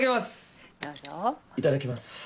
いただきます！